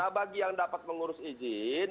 bagi yang dapat mengurus izin